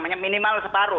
dari minimal separuh